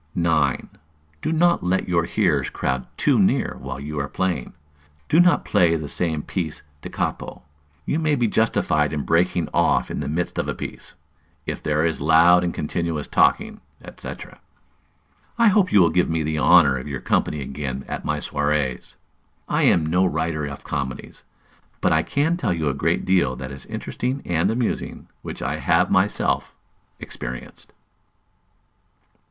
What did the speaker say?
9. Do not let your hearers crowd too near while you are playing. Do not play the same piece da capo. You may be justified in breaking off in the midst of a piece, if there is loud and continuous talking, &c. I hope you will give me the honor of your company again at my soirées: I am no writer of comedies, but I can tell you a great deal that is interesting and amusing which I have myself experienced.